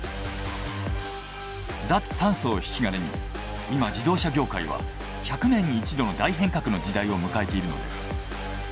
脱炭素を引き金に今自動車業界は１００年に１度の大変革の時代を迎えているのです。